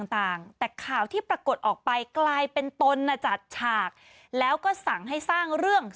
ต่างแต่ข่าวที่ปรากฏออกไปกลายเป็นตนจัดฉากแล้วก็สั่งให้สร้างเรื่อง